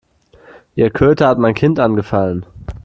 Ihr Köter hat mein Kind angefallen.